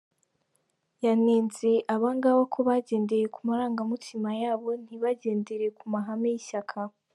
Yanenze abangaba ko bagendeye ku marangamutima yabo ntibagendere ku mahame y’ishyaka.